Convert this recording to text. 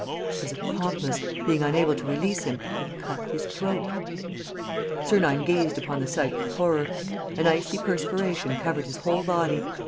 His accomplice, being unable to release him, had cut his throat. Sernine gazed upon the sight with horror. An icy perspiration covered his whole body.